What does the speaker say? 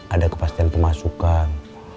ada kepastian pemasukan